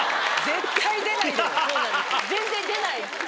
全然出ない。